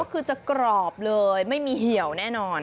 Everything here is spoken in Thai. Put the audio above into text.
ก็คือจะกรอบเลยไม่มีเหี่ยวแน่นอน